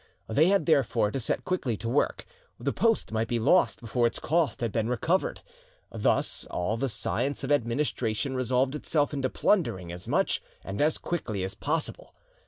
They had therefore to set quickly to work; the post might be lost before its cost had been recovered. Thus all the science of administration resolved itself into plundering as much and as quickly as possible.